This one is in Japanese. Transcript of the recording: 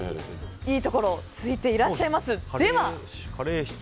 いいところついていらっしゃいます。